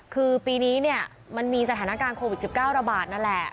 คือปีนี้เนี่ยมันมีสถานการณ์โควิด๑๙ระบาดนั่นแหละ